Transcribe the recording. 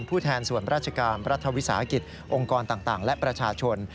ผู้แทนส่วนราชการรัฐวิสาหกิจองค์กรต่างและประชาชน